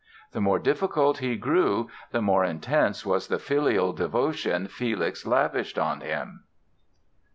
The more difficult he grew the more intense was the filial devotion Felix lavished on him.